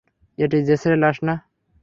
এটি জেসের লাশ না।